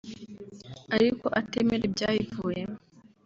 ariko atemera ibyayivuyemo